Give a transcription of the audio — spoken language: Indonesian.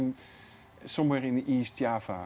itu di mana mana di jawa barat